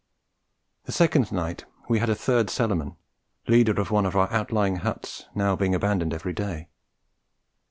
The second night we had a third cellarman, leader of one of the outlying huts now being abandoned every day.